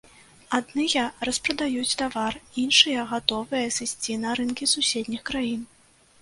Адныя распрадаюць тавар, іншыя гатовыя сысці на рынкі суседніх краін.